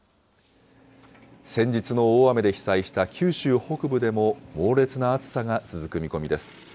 先日の大雨で被災した九州北部でも猛烈な暑さが続く見込みです。